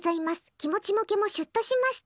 気持ちも毛もシュッとしました。